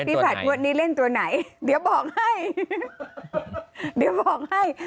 พี่ผัดวันนี้เล่นตัวไหนเดี๋ยวบอกให้